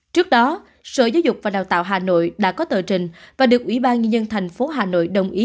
trước đó sở giáo dục và đào tạo hà nội đã có tờ trình và được ủy ban nhân dân thành phố hà nội đồng ý